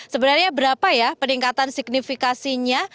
sebenarnya berapa ya peningkatan signifikannya